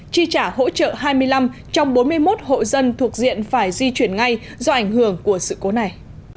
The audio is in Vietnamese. chi trả hỗ trợ hai mươi năm trong bốn mươi một hộ dân thuộc diện phải di chuyển ngay do ảnh hưởng của sự cố này